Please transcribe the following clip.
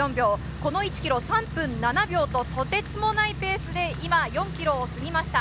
この１ｋｍ、３分７秒と、とてつもないペースで今４ｋｍを過ぎました。